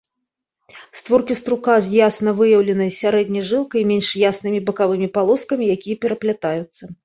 Створкі струка з ясна выяўленай сярэдняй жылкай і менш яснымі бакавымі палоскамі, якія пераплятаюцца.